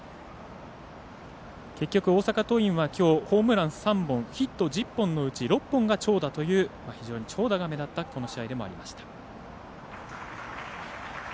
結局、大阪桐蔭はきょう、ホームラン３本ヒット１０本のうち６本が長打という非常に長打が目立ったこの試合でもありました。